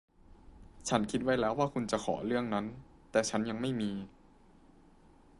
ฉันคิดไว้แล้วว่าคุณจะขอเรื่องนั้น แต่ฉันยังไม่มี